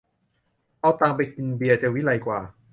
เอาตังค์ไปกินเบียร์จะวิไลกว่า